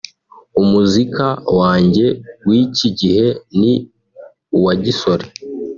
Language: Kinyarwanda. Umuzika wanjye w’iki gihe ni uwagisore